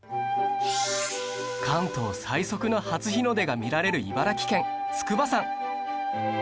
関東最速の初日の出が見られる茨城県筑波山